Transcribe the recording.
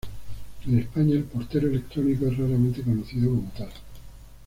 En España, el portero electrónico es raramente conocido como tal.